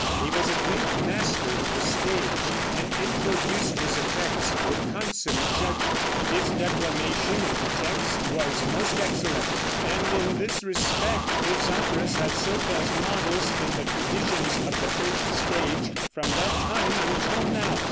He was a great master of the stage, and introduced his effects with consummate judgment. His declamation of the text was most excellent, and in this respect his operas have served as models in the traditions of the French stage from that time until now.